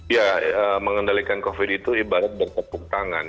ya mengendalikan covid itu ibarat bertepuk tangan